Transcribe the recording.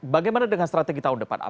bagaimana dengan strategi tahun depan